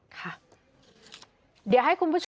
ค่ะเดี๋ยวให้คุณผู้ชม